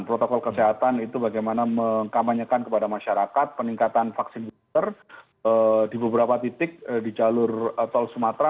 protokol kesehatan itu bagaimana mengkabanyakan kepada masyarakat peningkatan vaksin booster di beberapa titik di jalur tol sumatera